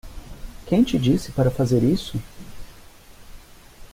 Quem te disse para fazer isso?